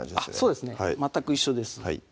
そうですね全く一緒です